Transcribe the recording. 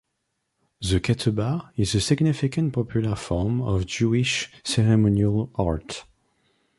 The ketubah is a significant popular form of Jewish ceremonial art.